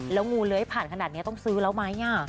แล้วงูเลื้อยผ่านขนาดนี้ต้องซื้อแล้วไหม